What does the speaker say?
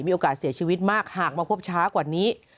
โอกาสเสียชีวิตมากหากมาพบช้ากว่านี้